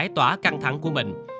tỏa căng thẳng của mình